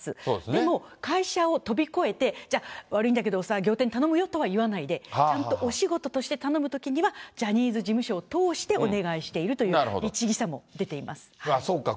でも、会社を飛び越えて、じゃあ、悪いんだけどさ、仰天頼むよとは言わないで、ちゃんとお仕事として頼むときには、ジャニーズ事務所を通してお願いしているという律義さも出ていまそうか。